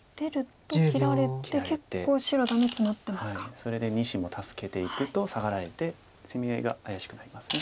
それで２子も助けていくとサガられて攻め合いが怪しくなります。